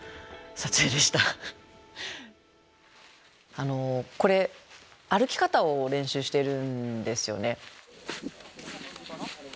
あのこれ歩き方を練習してるんですよね。